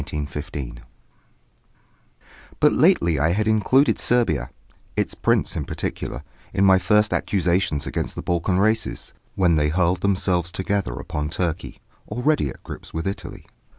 _ But lately I had included Serbia its prince in particular in my first accusations against the Balkan races, when they hurled themselves together upon Turkey, already at grips with Italy.